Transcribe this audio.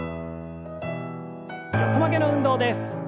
横曲げの運動です。